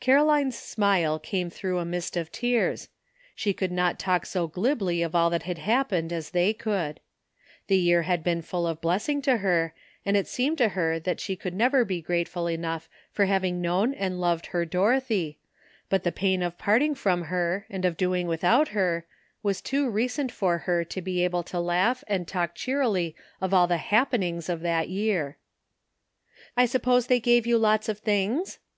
Caroline's smile came through a mist of tears. She could not talk so glibly of all that had hap pened as they could. The year had been full of blessing to her, and it seemed to her that she could never be grateful enough for having known and loved her Dorothy, but the pain of parting from her, and of doing without her, was too recent for her to be able to laugh and talk cheerily of all the " happenings " of that year. *'I suppose they gave you lots of things?"